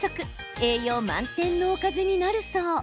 栄養満点のおかずになるそう。